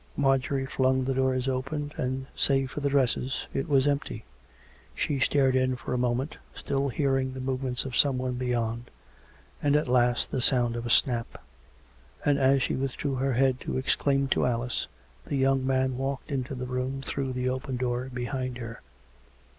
Mar jorie flung the doors open, and, save for the dresses, it was empty. She stared in for a moment, still hearing the move ments of someone beyond, and at last the sound of a snap ; and as she withdrew her head to exclaim to Alice, the young man walked into the room through the open door behind her.